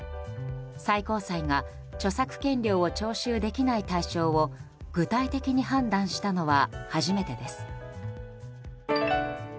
最高裁が著作権料を徴収できない対象を具体的に判断したのは初めてです。